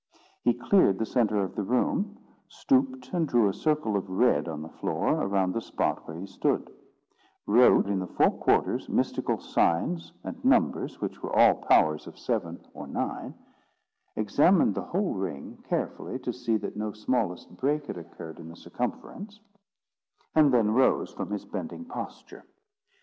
He cleared the centre of the room; stooped and drew a circle of red on the floor, around the spot where he stood; wrote in the four quarters mystical signs, and numbers which were all powers of seven or nine; examined the whole ring carefully, to see that no smallest break had occurred in the circumference; and then rose from his bending posture.